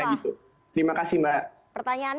jadi saya ingin bertanya